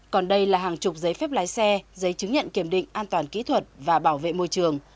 còn đây là hàng chục giấy phép lái xe giấy chứng nhận kiểm định an toàn kỹ thuật và bảo vệ môi trường